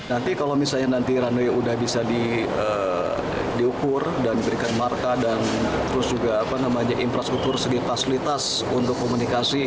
nanti kalau misalnya nanti runway udah bisa diukur dan diberikan marka dan terus juga infrastruktur segi fasilitas untuk komunikasi